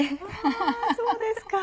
あそうですか。